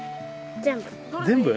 全部。